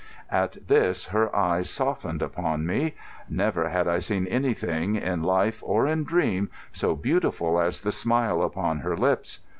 At this her eyes softened upon me. Never had I seen anything, in life or in dream, so beautiful as the smile upon her lips.